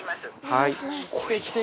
はい。